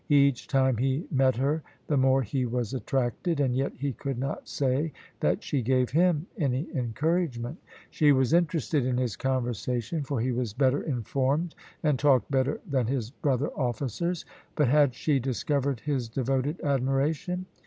Each time he met her the more he was attracted, and yet he could not say that she gave him any encouragement. She was interested in his conversation, for he was better informed and talked better than his brother officers, but had she discovered his devoted admiration?